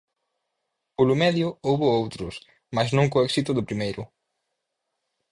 Polo medio houbo outros, mais non co éxito do primeiro.